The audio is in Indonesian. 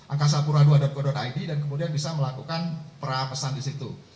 angkasapura dua co id dan kemudian bisa melakukan perapesan di situ